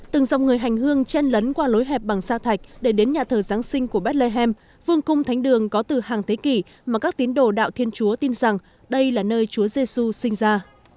từng dòng người hành hương chen lấn qua lối hẹp bằng sa thạch để đến nhà thờ giáng sinh của bethlehem vương cung thánh đường có từ hàng thế kỷ mà các tín đồ đạo thiên chúa tin rằng đây là nơi chúa giê xu sinh ra